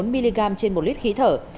bốn mg trên một lít khí thở